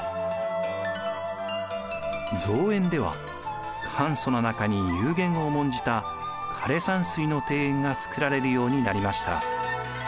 造園では簡素な中に幽玄を重んじた枯山水の庭園が造られるようになりました。